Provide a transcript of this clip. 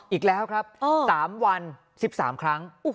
อีกแล้วครับ๓วัน๑๓ครั้ง